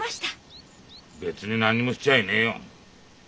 別に何にもしちゃいねえよ。